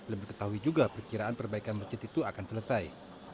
lebih ketahui juga perkiraan perbaikan masjid itu akan selesai